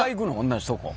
同じとこ。